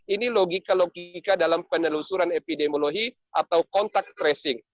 ini logika logika dalam penelusuran epidemiologi atau kontak tracing